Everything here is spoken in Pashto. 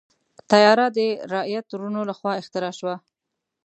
طیاره د رائټ وروڼو لخوا اختراع شوه.